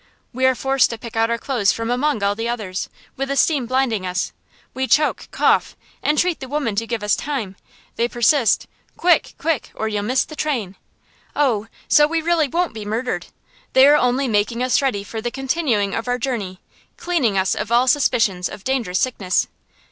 We are forced to pick out our clothes from among all the others, with the steam blinding us; we choke, cough, entreat the women to give us time; they persist, "Quick! Quick! or you'll miss the train!" Oh, so we really won't be murdered! They are only making us ready for the continuing of our journey, cleaning us of all suspicions of dangerous sickness.